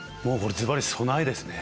ずばり備えですね。